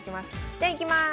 じゃいきます。